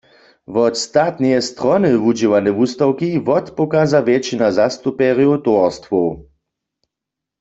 Wot statneje strony wudźěłane wustawki wotpokaza wjetšina zastupjerjow towarstwow.